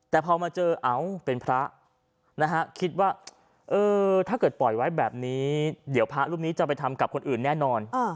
แต่พอมาเจอเอ้าเป็นพระนะฮะคิดว่าเออถ้าเกิดปล่อยไว้แบบนี้เดี๋ยวพระรูปนี้จะไปทำกับคนอื่นแน่นอน